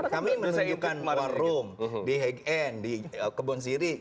kami menunjukkan warung di hgn di kebon siri